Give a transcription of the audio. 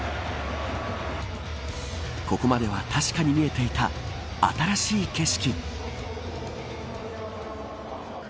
ここまでは、確かに見えていた新しい景色。